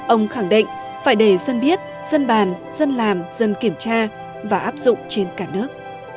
ông khẳng định phải để dân biết dân bàn dân làm dân kiểm tra và áp dụng trên cả nước